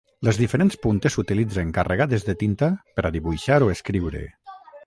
Les diferents puntes s'utilitzen carregades de tinta per a dibuixar o escriure.